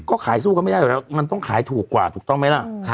ก็ขายสู้กันไม่ได้อยู่แล้วมันต้องขายถูกกว่าถูกต้องไหมล่ะ